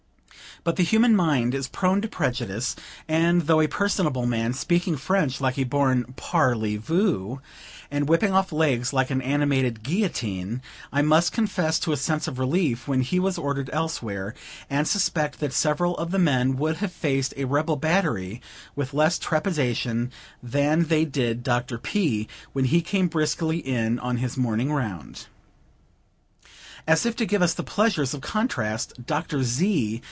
But the human mind is prone to prejudice; and, though a personable man, speaking French like a born "Parley voo," and whipping off legs like an animated guillotine, I must confess to a sense of relief when he was ordered elsewhere; and suspect that several of the men would have faced a rebel battery with less trepidation than they did Dr. P., when he came briskly in on his morning round. As if to give us the pleasures of contrast, Dr. Z.